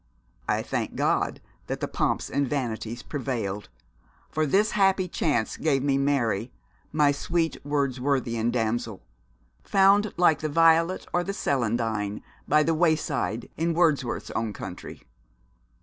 I thank God that the pomps and vanities prevailed; for this happy chance gave me Mary, my sweet Wordsworthian damsel, found, like the violet or the celandine, by the wayside, in Wordsworth's own country.'